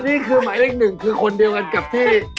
นี่คือหมายเลขหนึ่งคือคนเดียวกันกับที่